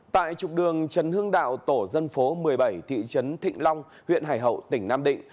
tại trục đường trần hưng đạo tổ dân phố một mươi bảy thị trấn thịnh long huyện hải hậu tỉnh nam định